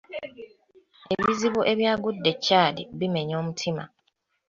Ebizibu ebyagudde e Chad bimenya omutima.